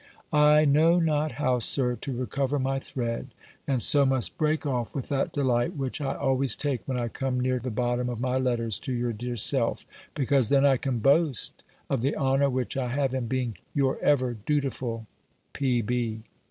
I know not how, Sir, to recover my thread; and so must break off with that delight which I always take when I come near the bottom of my letters to your dear self; because then I can boast of the honour which I have in being your ever dutiful, P.